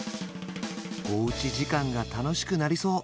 おうち時間が楽しくなりそう